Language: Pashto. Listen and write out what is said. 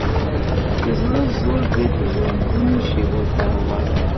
د زړه زور دي د ژوندون شېبو ته وركه